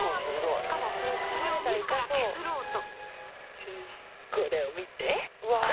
しかもそれを自ら削ろうと。